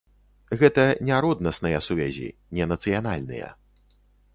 Гэта не роднасныя сувязі, не нацыянальныя.